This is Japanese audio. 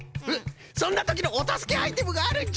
そんなときのおたすけアイテムがあるんじゃ！